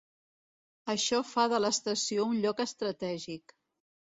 Això fa de l'estació un lloc estratègic.